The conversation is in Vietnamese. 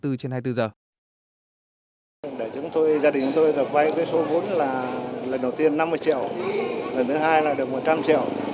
gia đình tôi quay với số vốn là lần đầu tiên năm mươi triệu lần thứ hai là được một trăm linh triệu